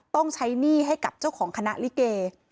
ต้องใช้หนี้ให้กับเจ้าของคณะลิเก